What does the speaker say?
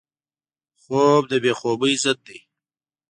خوب د بې خوبۍ ضد دی